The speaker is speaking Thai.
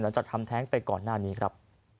หลังจากทำแท้งไปก่อนหน้านี้ครับ